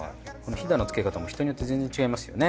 ひだのつけ方も人によって全然違いますよね。